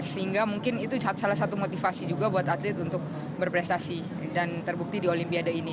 sehingga mungkin itu salah satu motivasi juga buat atlet untuk berprestasi dan terbukti di olimpiade ini